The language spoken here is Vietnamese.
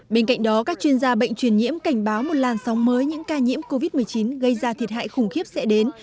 bên cạnh đó các chuyên gia bệnh truyền nhiễm cảnh báo một làn sóng mới những ca nhiễm covid một mươi chín gây ra thiệt hại khủng khiếp sẽ đến